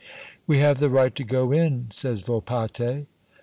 "We have the right to go in!" says Volpatte.